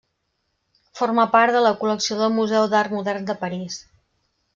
Forma part de la col·lecció del Museu d'Art Modern de París.